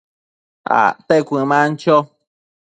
acte cuëman cho